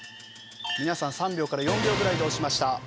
皆さん３秒から４秒ぐらいで押しました。